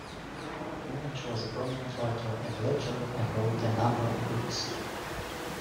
Muench was a prominent writer and lecturer and wrote a number of books.